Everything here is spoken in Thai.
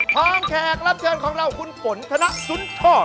พร้อมแขกรับเชิญของเราคุณปนธนะสุนชอบ